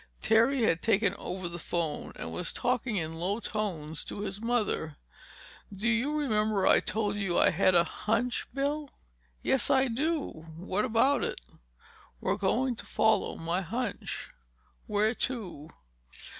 Terry had taken over the phone and was talking in low tones to his mother. "Do you remember I told you I had a hunch, Bill?" "Yes, I do. What about it?" "We're going to follow my hunch." "Where to?"